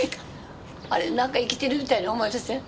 あれ何か生きてるみたいに思いません？